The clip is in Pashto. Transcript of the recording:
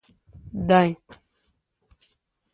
دی.